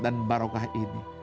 dan barokah ini